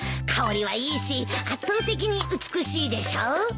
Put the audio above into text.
香りはいいし圧倒的に美しいでしょう。